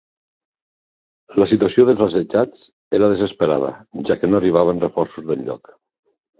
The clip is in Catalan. La situació dels assetjats era desesperada, ja que no arribaven reforços d'enlloc.